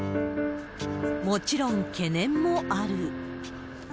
もちろん、懸念もある。